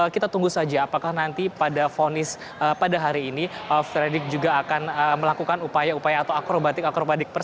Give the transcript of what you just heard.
kita tunggu saja apakah nanti pada hari ini fredrik juga akan melakukan upaya upaya atau akrobatik akrobatik